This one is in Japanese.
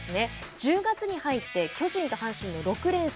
１０月に入って巨人と阪神の６連戦。